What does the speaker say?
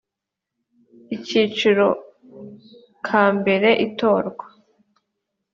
akiciro ka mbere itorwa